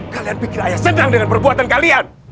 kalian pikir ayah senang dengan perbuatan kalian